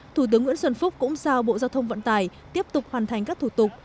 thủ tướng nguyễn xuân phúc cũng giao bộ giao thông vận tải tiếp tục hoàn thành các thủ tục